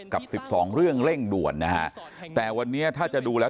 กับ๑๒เรื่องเร่งด่วนแต่วันนี้ถ้าจะดูแล้ว